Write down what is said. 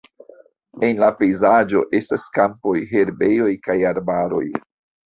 En la pejzaĝo estas kampoj, herbejoj kaj arbaroj.